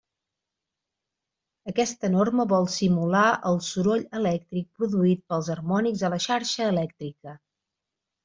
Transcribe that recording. Aquesta norma vol simular el soroll elèctric produït pels harmònics a la xarxa elèctrica.